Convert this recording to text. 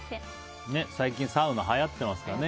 最近サウナはやってますからね。